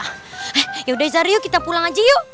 eh ya udah zaryo kita pulang aja yuk